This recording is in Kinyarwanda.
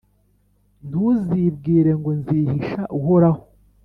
Ntuzibwire ngo «Nzihisha Uhoraho,